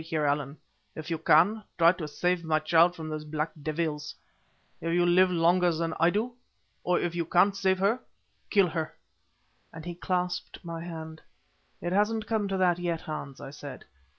Heer Allan, if you can, try to save my child from those black devils; if you live longer than I do, or if you can't save her, kill her," and he clasped my hand. "It hasn't come to that yet, Hans," I said.